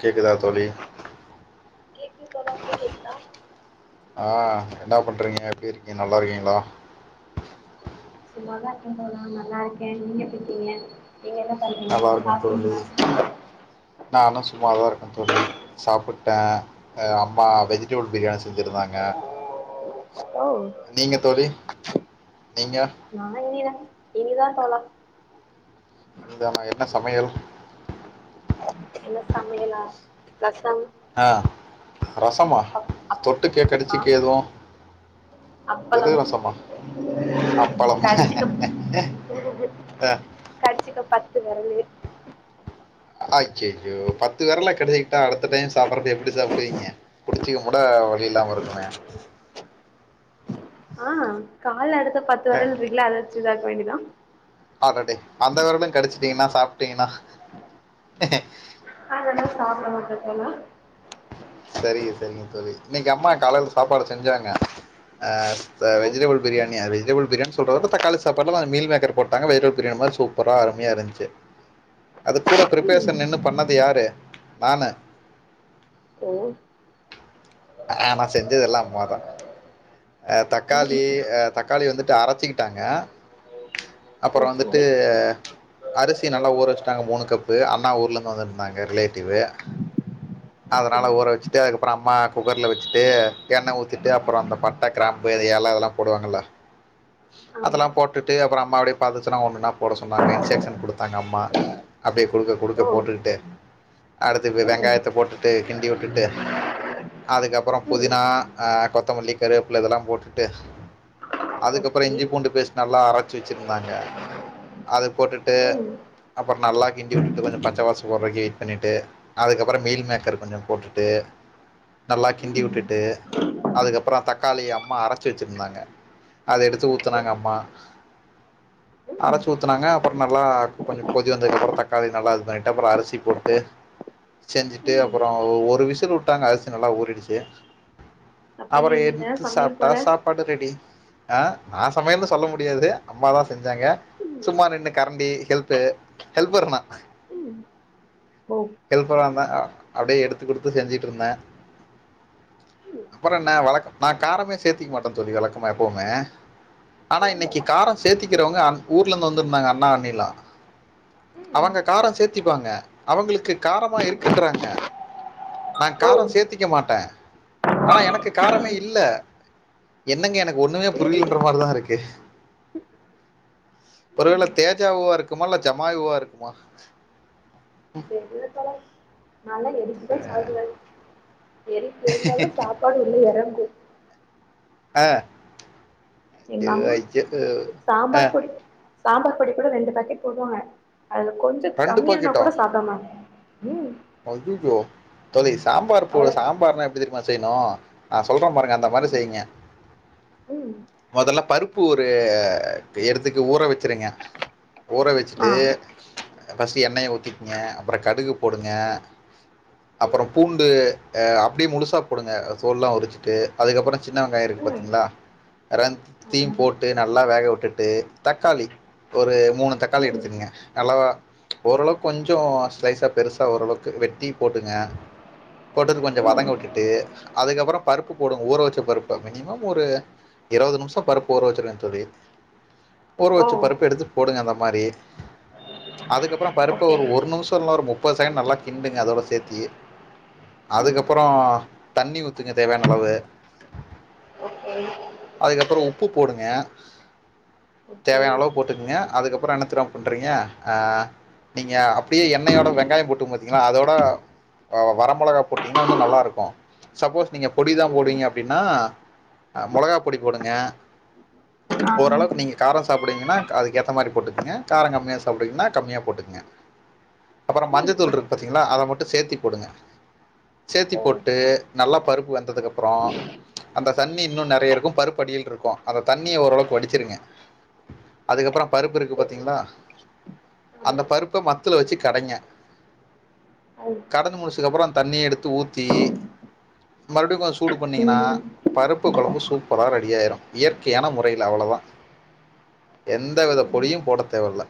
கேக்குதா தோழி கேக்குது தோழா உங்களுக்கு கேக்குதா ஆ என்ன பண்ணுறீங்க எப்டி இருக்கீங்க நல்லா இருக்கீங்களா சும்மா தா இருக்கேன் தோழா நல்லாயிருக்கேன் நீங்க எப்டியிருக்கீங்க நல்லா இருக்கேன் தோழி நானும் சும்மாதா இருக் தொழி சாப்பிட்டே அ அம்மா வெஜிடெபிள் பிரியாணி செஞ்சிருந்தாங்க ஓ நீங்க தோழி நீங்க நா இனிதாங் இனிதா தோழா இனிதானா என்ன சமையல் என்ன சமையலா ரஸ் ஆ ரசமா அப் அப் தொட்டுக்க கடுச்சுக்கெ ஆமா எதுவு வெறு அப்பளம் ரசமா அப்பளமா கடிச்சிக்க அ து வெரலு அய்யய்யோ பத்து வெரல கடுச்சிக்கிட்டா அடுத்த டைம் சாப்புறப்ப எப்புடி சாப்புடுவீங்க புடுச்சுக்க கூட வழி இல்லாம இருக்குமே ஆ காலடு து பத்து அ வெரல்ருக்குள்ள அத வச்சு‌ தா வேண்டிதா அடடே அந்த வெரலு கடுச்ட்டீங்கனா சாப்ட்டீங்கனா அதெல்லா சாப்ட மாட்டே என்னா செரிங்க செரிங்க தோழி இன்னைக்கி அம்மா காலைல சாப்பாடு செஞ்சாங்க ஆ த ஓ வெஜிடபுள் பிரியாணி அத வெஜிடபுள் பிரியாணி சொல்றதவிட தக்காளி சாப்பாடு மீல் மேக்கர் போட்டாங்க வெஜ்டபுள் பிரியாணி மாரி சூப்பரா அருமையா இருந்ச்சு அதுக் கூட ம் பிரிபேஸன் நின்னு பண்ண துயாரு நானு ஓ ஆ நா செஞ்சதெல்லா அம்மாதா ஆ தக்காளி அ தக்காளி வந்துட்டு அரச்சிக்கிட்டாங்க அப்பறோ ஓகே வந்துட்டு அரிசி நல்லா ஊற வச்சட்டாங்க மூணு கப்பு அண்ணா ஊர்லந்து வந்துருந்தாங்க ரிலேட்டிவு ஓகே அதனால ஊற வச்சுட்டு அதுக்கப்பறோ அம்மா குக்கர்ல வச்சுட்டு எண்ணெ ஊத்திட்டு அப்பறோ அந்த பட்ட கிராம்பு து ஏல அதுலா போடுவாங்கல்ல ஆமா அதெல்லா போட்டுட்டு அப்பறோ அம்மா அபுடியே பாத்துச்சு னா ஒன்னொன்னா போட சொன்னாங்க இன்செக்ஷன் குடுத்தாங்க அம்மா அப்டி குடுக்க குடுக்க ஓ போட்டுக்குட்டே அடுத்திப்ப ம் வெங்காயத்த போட்டுட்டு கிண்டி உட்டுட்டு அதுக்கப்பறோ ம் புதினா ஆ கொத்தமல்லி கருகப்புள்ள இதெல்லாம் போட்டுட்டு அதுக்கப்பற ஓகே இஞ்சி பூண்டு பேஸ்ட் நல்லா அரச்சு வச்சிருந்தாங்க அத போட்டுட்டு ம் அப்பற் நல்லா கிண்டி விட்டுட்டு கொஞ்சோ பச்ச வாச போறவக்கி யீட் பண்ணிட்டு அதுக்கப்பற மீல் மேக்கர் கொஞ்சோ போட்டுட்டு நல்லா கிண்டி ம் உட்டுட்டு அதுக்கப்புறொ தக்காளி அம்மா அரச்சு வச்சுருந்தாங்க அத எடுத்து ஊத்துனாங்க அம்மா ம் அரச்சு ஊத்துனாங்க அப்பற் நல்லா கொஞ்சொ கொதி வந்ததுக்கப்பறோ தக்காளி நல்லா து பண்ணிட்டு அப்புறொ அரிசி போட்டு செஞ்சுட்டு ம் அப்புறோ ஒரு விசில் உட்டாங்க அரிசி நல்லா ஊறிடுச்சு அப்ப அவர இன்னைக்கு நீங்க என்த்து சமையல் சாப்ட்டா போல சாப்பாடு ரெடி ஆ நா சமையல்னு சொல்ல முடியாது அம்மாதா செஞ்சாங்க ம் சும்மா நின்னு கரண்டி ஹெல்ப்பு ஹெல்பர்னா ம் ஓ ஹெல்பர் நாந்தா ஆ அப்டே எடுத்து குடுத்து செஞ்சுட்ருந்தே ம் அப்பறென்ன வழக்கம் நா காரமே சேத்திக் மாட்டே தோழி வழக்கமா எப்பவுமே ஆனா ஏன் இன்னக்கி தோழா காரொ சேத்திக்கிறவங்க அன் ஊர்லந்து வந்துருந்தாங்க அண்ணா அண்ணிலா ம் அவங்க காரொ சேத்திப்பாங்க அவுங்களுக்கு காரமா இருக்குன்றாங்க நா ஓ காரொ சேத்திக்க மாட்டே ஆனா எனக்கு காரமே இல்ல என்னங்க எனக் ஒண்ணுமே சேரியா புரிலன்ற மார்தாருக் எ ம் ஒருவேள தேஜா ஊ வாருக்குமா இல்ல ஜமாய் உவாருக்குமா தெர்ல தோழரே நல்ல எதுக்குதா [unintelligible] எரிப்பிருந்தாலு சாப்பாடு உள்ள எறங்கூ ஆஹ் எங்க அம்மா அய்யோ சாம்பார் ஆஹ் பொடி சாம்பார் பொடி கூட ரெண்டு பேக்கெட் போடுவாங்க அதுல கொஞ்சோ கம்மியானா கூட சாப்பிடமாட்டே ஐய்யய்யோ தோழி சாம்பார் போடு அவ்ளோ சாம்பார்னா எப்டி தெரியுமா செய்ணு நா சொல்ற பாருங்க அந்த மாரி ம் செய்ங்க ம் மொதல்ல பருப் பு ஒரு எடுத்துக்கு ஊற வ ச்சிருங்க ஊற ஆ வச்சிட்டு ஃபஸ்ட்டு எண்ணெய ஊத்திக்கிங்க அப்பறோ கடுகு போடுங் க அப்பறோ ம் பூண்டு ஆ அப்டியே முழுசா போடுங்க தோல்லா உறிச்சிட்டு அதுக்கப்பறோ சின்ன வெங்காயொ இருக்கு ம் பாத்தீங்களா ரெண் ஆமா தீயும் போட்டு நல்லா வேக உட் டுட்டு தக்காளி ஒரு மூணு தக்காளி ம் எடுத்துக்குங்க நல்லா ஓரளவுக்கு கொஞ்சொ ஸ்லைசா பெருஸ் சா ஓரளவுக்கு வெட்டி போட்டுங்க போட்டது கொஞ்சொ வதங்க ம் உட்டுட்டு அதுக்கப்பறோ பருப்பு போடுங் ஊற வச்ச பருப்ப மினிமம் ஒரு இரவது நிமிஷொ பருப்பு ஊற வச்சிருங் தோழி ஓ ஊறவச்ச பருப்ப எடுத்து போடுங்க அந்த மாரி அதுக்கப்பறோ பருப்ப ஓகே ஒரு ஒரு நிமிஷொ இல்லன்னா ஒரு முப் பது செகெண் நல்லா கிண்டுங்க அதோட சேத்தி ம் அதுக்கப்பறோ தண்ணி ஊத் துங்க தேவையான அளவு ஓகே அதுக்கப்பறோ உப் ப்பு போடுங்க ஓகே தேவையான அளவு போட்டுக்குங்க அதுக்கப் ப்றோ என்ன தெரியுமா பண்றீங்க ஆ நீங்க அப்டியே எண்ணெயோட வெங் காயம் போட்டு பாத்தீங்கன்னா அதோட வ வர மொளகா போட்டீங்கன்னா இன்னு நல்லா இருக்கு சப்போஸ் நீங்க பொடிதா ம் போடுவீங்க அப்டின்னா அ மொளகாப் பொடி போடுங்க ஆ ஓரளவுக்கு நீங்க கார சாப்பிடுவீங்கன்னா அதுக்கு ஏத்த மாரி போட்டுக் ங்க காரோ கம்மியா சாப்புடுவிங்கன்னா கம்மியா போட்டுகங்க அப்பறம் ம் மஞ்சத்தூள் இருக்கு பாத்திங்ளா அத மட்டு சேத்தி போடுங்க சேத்தி ஓ போட்டு நல்லா பருப்பு வெந்ததுக்கு அப்றொ அந்த தண்ணி இன்னு நெறையருக்கு பருப்பு அடியில் இருக்கு அந்த தண்ணிய ஓரளவுக்கு வடிச்சிருங்க அதுக்கப்றொ பருப்பு இருக்கு சரி பாத்திங்களா ஆமா அந்த பருப்ப மத் த்துல வச்சி கடைங்க கடந்து முடிச்சுக்கப்புறோ அந் தண்ணி எடுத்து ஊத்தி மறுபடியு கொஞ் சூடு அது பண்ணிங்கன்னா ம் பருப்பு கொழம்பு சூப்பரா ரெடியாயிரு இயற்கையான முறையில அவ்வளொதா எந்தவித பொடியு போடத்தேவல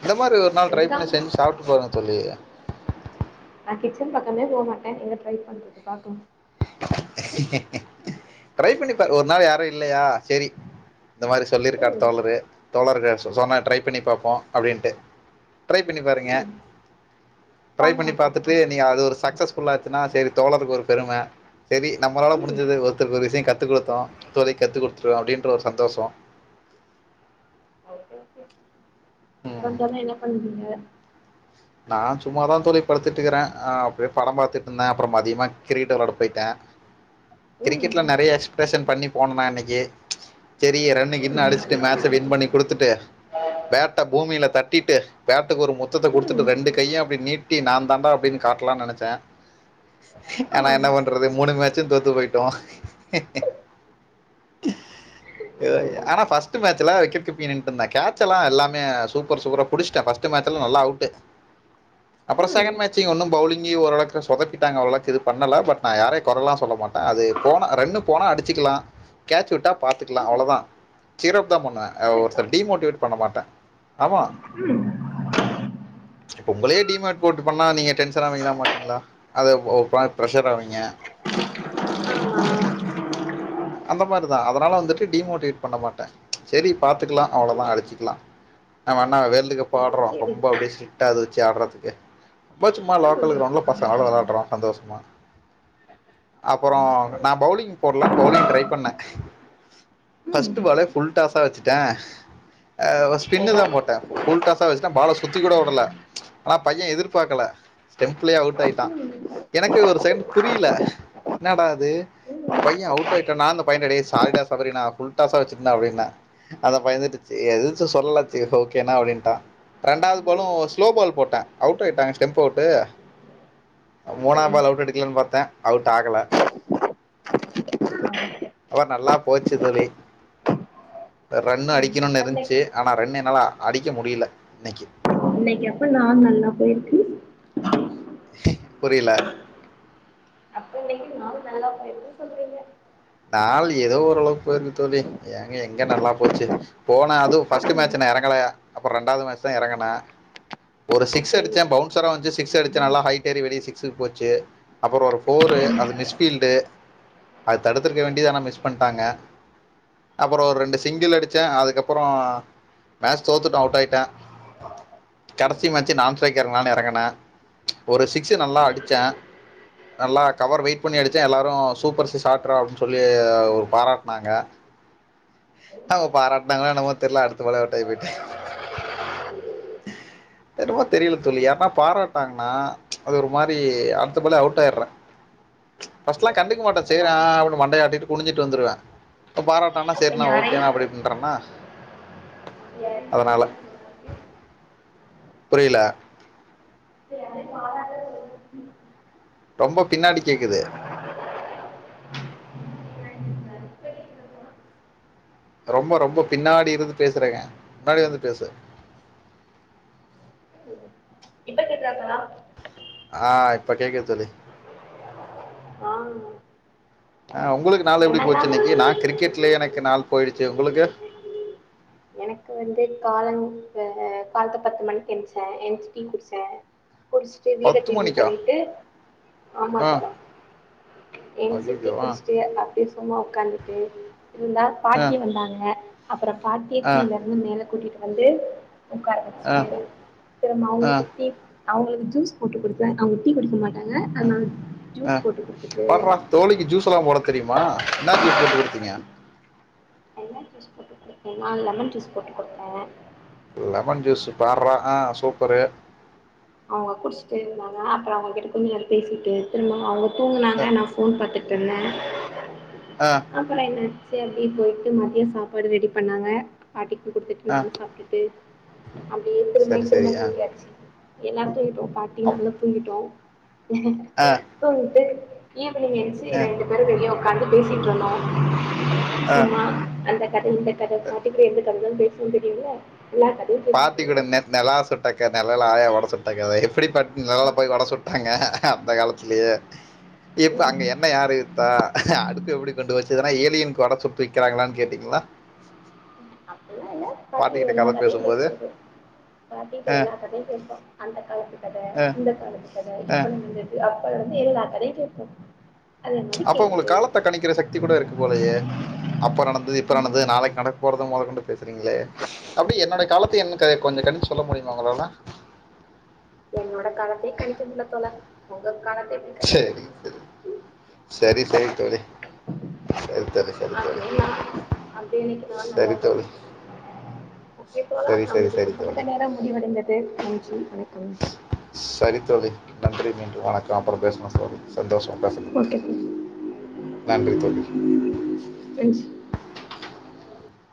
இந்த மாரி ஒர் ஒரு நாள் எங்க ட்ரைப் [unintelligible] அம் செஞ்சு சாப்ட்டு பாருங்க சொல்லி நா கிச்சன் பக்கமே போ மாட்டே எங்க ட்ரை பண்றது பாக்கலா ட்ரை பண்ணி பாரு ஒரு நாள் யாரு இல்லையா சரி இந்த மாரி சொல்லிருக்காரு ம் தோழரு தோழர்க சொ சொன்ன ட்ரை பண்ணி பாப்போ அப்படின்ட்டு ட்ரை பண்ணி பாருங்க ம் ட்ரை பாக்கலா பண்ணி பாக்கலா பாத்துட்டு நீ அது ஒரு சக்சஸ் ஃபுல்லாச்சுன்னா சரி தோழருக்கு ஒரு பெரும சரி நம்மளால ம் முடிஞ்சது ஒருத்தருக்கு ஒரு விஷயோ கத்து குடுத்தோ தோழிக் கத்து குடுத்துட்டோ அப்படின்ற ஒரு சந்தோசோ அப்பறோ தோழா என்ன பண்றீங்க நா சும்மாதா தோழி படுத்திட்டுருக்கிறே அ அப்படியே பட பாத்துட்டுருந்தே அப்புற மதியமா கிரிக்கெட் விளாட போயிட்டே ம் கிரிக்கெட்ல நெறைய எக்ஸ்பரஷன் பண்ணி போன நா இன்னிக்கி சரி ரன் கின்னு ம் அடிச்சிட்டு மேட்ச வின் பண்ணி குடுத்துட்டு பேட்ட பூமில தட்டிட்டு பேட்டுக்கு ஒரு முத்தத்த குடுத் ம் ரெண்டு கைய அப்டி நீட்டி நா தாண்ட அப்டின்னு காட்டலான் நெனச்சே ஆனா ஆ என்ன பண்றது மூணு மேட்ச்சு தோத்து போயிட்டோ ஐயோ ஐயோ ஆனா ஃபர்ஸ்ட் மேட்ச்சுல விக்கெட் கீப்பிங் நின்னுட்டுருந்தே கேட்ச்செல்ல எல்லாமே சூப்பர் சுவரோப் புடிச்சிட்டே, ஃபர்ஸ்ட் மேட்ச் எல்லா நல்லா அவுட்டு அப்புற ம் செகண்ட் மேட்சிங் ஒன்னு பௌலிங் இங்கியு ஓரளவுக்கு சொதப்பிட்டாங்க அவ்லாக்கு இது பண்ணல பட் நா யாரையு குறல்லா சொல்ல மாட்டே அது போன ரன்னு போனா அடிச்சிக்களா கேட்ச்வுட்டா பாத்துக்கலா ம் அவ்ளோ தா சிறப் இத்தா பண்ண கரெக்ட் தா ஒருதர டிமோட்டிவேட் பண்ண மாட்டே ஆமா ம் உங்களே டிமாட் போட்டு பண்ணா நீங்க டென்ஷன் ஆவீங்களா மாட்டீங்களா அது ஓ பாத் ப்ரெஷர் ஆவீங்க அந்த மாதிரி தா அதனால வந்துட்டு டிமோட்டிவேட் பண்ண மாட்டே சரி பாத்துக்கலா ஆமா அவ்ளோவுதா ம் அடிச்சிக்கலா நம்ம என்ன வேல் [unintelligible] சரி பாட்றோ சரி ரொம்ப அப்படியே ஸ்டிரிட்டா எது சி ஆட்றதுக்கு இப்ப சும்மா லோகல் ம் கிரவுண்ட்ல பசங்களோட வெளாட் அப்புறோ சந்தோஷமா அப்பறோ அவ்ளோதா நா பவுலிங் போட்லான் பௌலிங் ட்ரை பண்ணே ஃபர்ஸ்ட் அப்ப பாலே ஃபுல் டாஸா வெச்சுட்டே அ ஸ்பினுதா போட்டே ஃபுல் டாஸா வெச்சிட்டே பால சுத்தி கூடவுடல ஆனா பைய எதிர்பாக்கல ஸ்டெம்ப்லயே அவுட் ஆயிட்டா எனக்கே ஒரு செகண்ட் புரியல என்னடா இது பைய அவுட் அவுட் ஆயிட்டனா அந்த பையன டேய் சாரி டா சபரி நா ஃபுல் டாஸ்ஸா வச்சிட்டன்டா அப்டின்ன அந்தப் பைய வந்துட்டு சே எதுத்து சொல்லல செரி ஓகேணா அப்டின்டா ரெண்டாது பாலு ஸ்லோ பால் போட்டே அவுட் ஆயிட்டா ஸ்டெம்ப் அவுட்டு மூணாம் பாலு அவுட் எடுக்கலான் பாத்தே அவுட் ஆகல ஓ நல்லா போச்சு தோழி ரன் அடிக்கணுன் இன்னைக்கு இருந்துச்சு ஆனா ரன் என்னாலா அடிக்க முடியல இன்னைக்கு இன்னைக்கு அப்ப நாள் நல்லா பொயிருக்கு புரில அப்ப [unintelligible] நல்லா போயிருச்சு சொல்றீங்க நாள் ஏதோ ஓரளவுக்கு போயிருக்கு தோழி ஏங்க எங்க நல்லா போச்சி போனா அது ஃபஸ்ட்டு மேச்சு நா எறங்கல அப்பறோ ரெண்டாவ்து மேச் தா எறங்குன ஒரு சிக்ஸ் ஓகே அடிச்ச பவுன்சரா வன்ச்சு சிக்ஸ் அடிச்ச நல்லா ஹைட் ஏறி வெளிய சிக்ஸுக்கு போச்சு அப்பறோ ஒரு ஃபோரு அது மிஸ் ஃபீல்டு தடுத்தருக்க வேண்டியத் ஆனா மிஸ் பண்ட்டாங்க அப்பறோ ஒரு ரெண்டு சிங்கிள் அடிச்சே அதுக்கப்பறோ மேச் தோத்துட்டோ அவுட் ஆய்ட்ட கடசி மேச்சு நான் ஸ்ட்ரைக்கர்னால எறங்குன ஒரு சிக்ஸு நல்லா அடிச்ச நல்லா கவர் வெயிட் பண்ணி அடிச்ச எல்லாரு சூப்பர் சி ஷாட் ரா அப் சொல்லி அ ஒரு பாராட்னாங்க ஆமா பாராட் னாங்ளோ என்னவோ தெர்ல அடுத்து விளையாட்டௌட்டாயி போய்டே என்னவோ தெரில தோழி யார்னா பாராட்னாங்கன்னா அது ஒரு மாரி அடுத்த பாலே அவுட் ஆயிர்ற ஃபஸ்ட்லா கண்டுக்க மாட்ட சேர் டா அப்னு மண்டைய ஆட்டிட்டு குனிஞ்சிட்டு வந்துருவ இப்ப பாராட் [unintelligible] அப்ப சரிண்ணா ஓகேனா யாரையும் அப்டிண்றனா [inaudible] புரில [inaudible] ரொம்ப பின்னாடி கேக்குது ரொம்ப ரொம்ப பின்னாடி இருந்து பேசுறிங்க முன்னாடி வந்து பேசு என்ன கேட்டாங்களா ஆ இப்ப கேக்குது தோழி ஆ ஆ உங்ளுக்கு நாள் எப்டி என்னக்கா போச்சுன்னைக்கு நா கிரிக்கெட்லே எனக் க்கு நாள் போயிடுச்சு உங்களுக்கு எனக்கு வந்து காலம் காலத்த பத்து மணிக்கு என்ச என்சு டீ குடிச்ச குடிச்சுட்டு வீட பத்து கிளின் மணிக்கா பண்ணிட்டு ஆமா ஆ [unintelligible] என்சுடு டீ ஐயோவா குடிச்சுட்டு அப்டி சும்மா உட்காந்துட்டு இருந்தா ஆ பாட்டி வந்தாங்க அப்புரொ பாத் ஆ கில இருந்து மேலே கூட்டிட்டு வந்து உக்கார ஆ வச்சிட்டு திரும்ப ஆ அவங்களுக்கு டீ அவங்களுக்கு ஜூஸ் போட்டு கொடுத்த அவங்க டீ குடுக்க மாட்டங்க ஆ ஆ பார்ரா தோழிக்கு ஜூஸ்லா போட தெரியுமா என்ன ஜூஸ் போட்டு கொடுத்தீங்க நா லெமன் ஜூஸ் போட்டு கொடுதே லெமன் ஜூஸ் பார்ரா ஆ சூப்பரு அவங்க குடிச்சுட்டு இருந்தாங்க அப்புரொ அவங்க கிட்ட கொஞ்ச நேரோ பேசிட்டு திரும்ப அவங்க ஆ, துங்னாகா நா ஃபேன் பாத்த தன்ன ஆ அப்புறோ என்ன [unintelligible] போயிட்டு மதியொ சாப்பாடு ரெடி பண்ணாங்க பாட்டி கொடுத்துட்டு ஆ நானு சாப்டுட்டு அப்படியே திரும்பி சரி சரி திரும்ப ஆ தூங்கியாச்சு எல்லா தூங்கிடோ பாட்டி அவ்- நாங்க தூங்கிட்டோ ஆ தூங்கிட்டு ஏன் பிள்ளைங்க என்ச்சு ஆ ரெண்டு பேரு வெளிய [inaudible] கண்டு [inaudible] [inaudible] வந்தாங்க ஆ சும்மா அந்த [unintelligible] ரெண்டு கண்களு பேஸ் [unintelligible] பாட்டி கூட நெ நெல சுட்ட கத நெலால ஆயா வட சுட் ட கதை எப்டி பாட் நெலால போய் வட சுட்டாங்க அந்த காலத்லியே இப்ப ம் அங்க என்ன யாரு இருத்தா அடுத்து எப்டி கொண்டு போச்சு எதுனாயா ஏ லியன்க்கு வட சுட்டு விக்கிறாங்கலான் கேட்டீங்ளா அப்புல இல்ல பாட்டிக எல்லா கதை கதையு பேசும்போது கேக் பாட்டிட்ட ஆ எல்லா கதையு கேப்போ அந்த காலத்து கத ஆ இந்த காலத்து கத ஆ இப்ப நடந்தது அப்ப நடந் வந்து எல்லா கதையு கேப்போ அதே மாரி அப்ப உங்களுக்கு கேட்டுட்டு காலத்த கணிக்கிற சக்தி கூட இருக்கு போலயே அப்ப நடந்துது இப்ப நடந்துது நாளைக்கு நடக்க போறது மொதகொண்டு பேசுறிங்ளே அப்டி என்னோடை காலத்தை என்னுக்கு கொஞ்சோ கனிச்சு சொல்ல முடியுமா உங்களால என்னோட காலத்தை கணிக்க முல்ல தோழா உங்கக் காலத்தை எப்டி கணிக்குறது செரி செய் தோழி அப்டிங்ளா அப்டி இன்னிக்கி நாள் சரி நல்லப்போச் தோழி ஒக்கே தோழா சரி சரி நம்ளுக்கு சரி தோழி குடுக்கப்பட்ட நேரோ முடிவடைந்தது நன்றி வணக்கம் சரி தோழி நன்றி மீண்டு அப்றோ பேசல தோழி சந்தோசோ பேஸ்னதுக்கு ஓகே தோழா நன்றி தோழி நன்றி